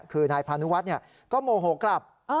คือนายพานุวัฒน์ก็โมโหกลับ